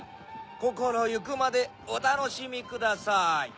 こころゆくまでおたのしみください！